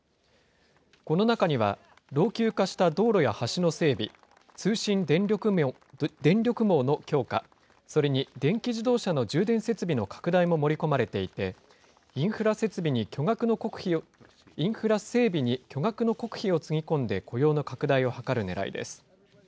この中には、老朽化した道路や橋の整備、通信・電力網の強化、それに電気自動車の充電設備の拡大も盛り込まれていて、インフラ整備に巨額の国費をつぎ込んで雇用の拡大を図るねらいです。